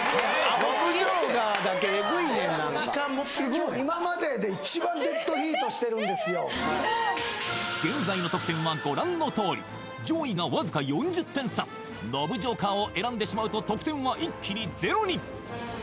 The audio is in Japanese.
ノブジョーカーだけエグいねん何かすごい現在の得点はご覧のとおり上位がわずか４０点差ノブジョーカーを選んでしまうと得点は一気にゼロに！